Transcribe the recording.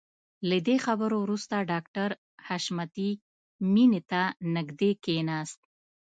له دې خبرو وروسته ډاکټر حشمتي مينې ته نږدې کښېناست.